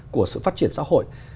của sự phát triển xã hội